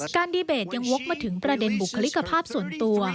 ดีเบตยังวกมาถึงประเด็นบุคลิกภาพส่วนตัว